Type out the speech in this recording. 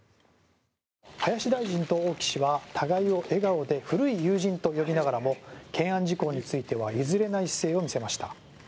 林大臣と王毅氏は互いを笑顔で古い友人と呼びながらも懸案事項については譲れない姿勢を見せました。